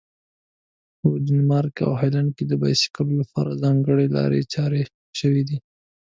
په ډنمارک او هالند کې د بایسکلونو لپاره ځانګړي لارې چارې شوي دي.